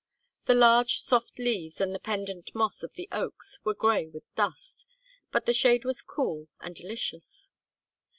The large soft leaves and the pendent moss of the oaks were gray with dust, but the shade was cool and delicious.